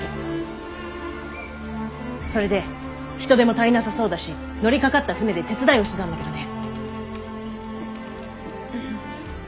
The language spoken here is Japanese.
それで人手も足りなさそうだし乗りかかった船で手伝いをしてたんだけどね。